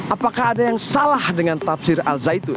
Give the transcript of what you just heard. apakah ada yang salah dengan tafsir al zaitun